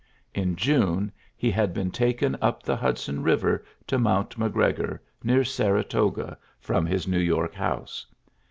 In June he had been taken up the Hudson River to Mount McGregor, near Saratoga, jfrom his New York house.